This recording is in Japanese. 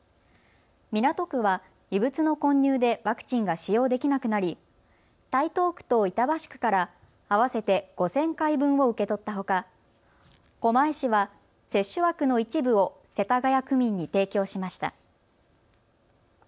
港区は異物の混入でワクチンが使用できなくなり台東区と板橋区から合わせて５０００回分を受け取ったほか狛江市は接種枠の一部を世田谷区民に提供しました。